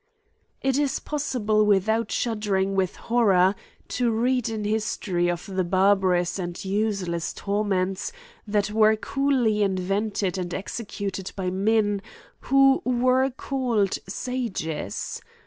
g^. AN ESSAY ON Is it possible without bhuddcring with horror, to r(*ad in history of the barbarous and useless torments that were cooly invented and executed by men who were called sages